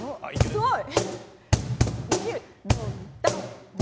すごい。